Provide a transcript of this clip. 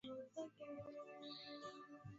Mwalimu amerudi kutoka kwao